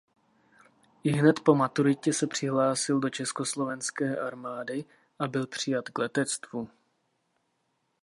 Ihned po maturitě se přihlásil do československé armády a byl přijat k letectvu.